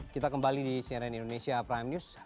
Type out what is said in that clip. kita kembali di cnn indonesia prime news